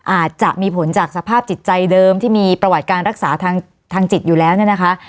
อาจจะมีผลจากสภาพจิตใจเดิมที่มีประวัติการรักษาทางจิตอยู่แล้วเนี่ยนะคะ